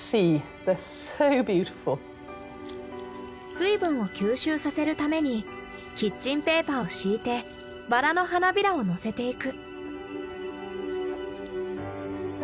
水分を吸収させるためにキッチンペーパーを敷いてバラの花びらを載せていく。